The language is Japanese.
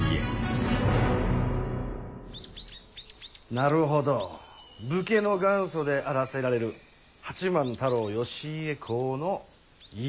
なるほど武家の元祖であらせられる八幡太郎義家公の「家」でございますな？